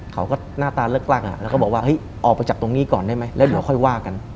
เขาก็หน้าตาเลิกลักแล้วก็บอกว่าออกไปจากตรงนี้ก่อนได้ไหมแล้วเดี๋ยวค่อยว่ากัน